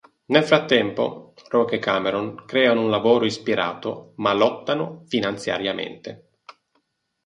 Nel frattempo, Roark e Cameron creano un lavoro ispirato, ma lottano finanziariamente.